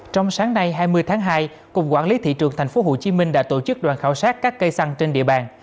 trong sáng nay hai mươi tháng hai cục quản lý thị trường tp hcm đã tổ chức đoàn khảo sát các cây xăng trên địa bàn